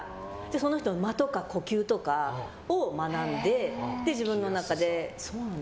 その人の間とか呼吸とかを学んで自分の中で。